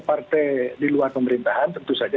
partai di luar pemerintahan tentu saja